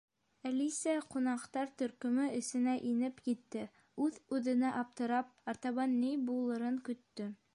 Әлисә ҡунаҡтар төркөмө эсенә инеп китте, үҙ-үҙенә аптырап, артабан ни булырын көттө.